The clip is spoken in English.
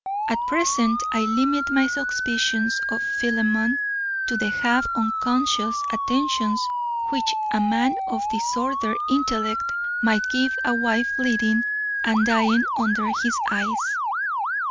At present I limit my suspicions of Philemon to the half unconscious attentions which a man of disordered intellect might give a wife bleeding and dying under his eyes.